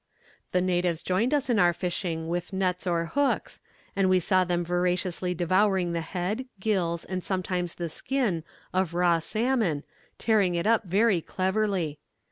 "The natives joined us in our fishing with nets or hooks, and we saw them voraciously devouring the head, gills, and sometimes the skin, of raw salmon, tearing it up very cleverly.